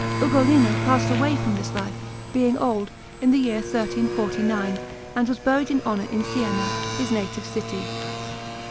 Ugolino passed away from this life, being old, in the year 1349, and was buried with honour in Siena, his native city.